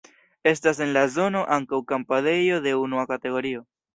Estas en la zono ankaŭ kampadejo de unua kategorio.